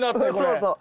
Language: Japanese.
そうそう。